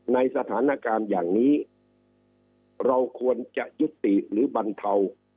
ในสถานการณ์อย่างนี้เราควรจะยุติหรือบรรเทา